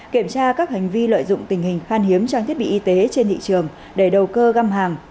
kiểm tra các hành vi lợi dụng tình hình khan hiếm trang thiết bị y tế trên thị trường để đầu cơ găm hàng